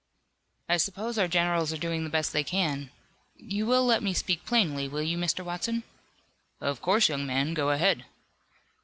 "I suppose our generals are doing the best they can. You will let me speak plainly, will you, Mr. Watson?" "Of course, young man. Go ahead."